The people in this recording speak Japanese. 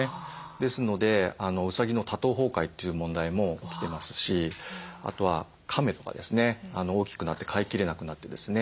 ですのでうさぎの多頭崩壊という問題も起きてますしあとはカメとかですね大きくなって飼いきれなくなってですね